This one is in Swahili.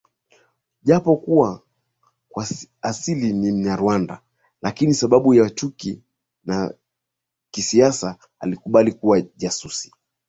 Japokuwa kwa asili ni mnyarwanda lakini sababu ya chuki na kisasi alikubali kuwa jasusi